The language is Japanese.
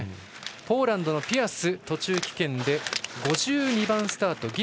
ポーランドのピヤスは途中棄権で５２番スタート